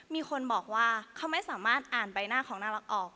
มีคนบอกว่าเขาไม่สามารถอ่านใบหน้าของน่ารักออก